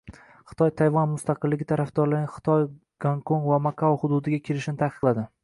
Xitoy Tayvan mustaqilligi tarafdorlarining Xitoy, Gonkong va Makao hududiga kirishini taqiqladi